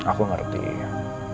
aku ngadopsi dia